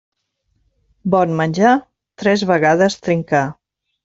Bon menjar, tres vegades trincar.